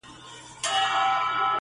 خپل عمل ورسره وړي خپل کردګار ته،